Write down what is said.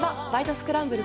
スクランブル」